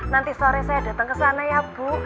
nanti sore saya datang ke sana ya bu